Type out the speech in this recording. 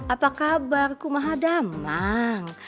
apa kabar kumahadamang